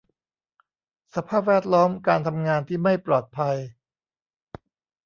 สภาพแวดล้อมการทำงานที่ไม่ปลอดภัย